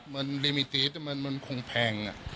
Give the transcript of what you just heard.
มันลิมิติมันคงแพง